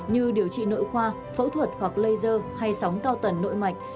như điều trị nội khoa phẫu thuật hoặc laser hay sóng cao tần nội mạch